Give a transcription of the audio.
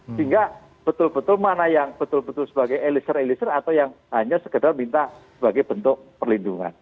sehingga betul betul mana yang betul betul sebagai elisir eliezer atau yang hanya sekedar minta sebagai bentuk perlindungan